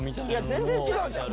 全然違うじゃん。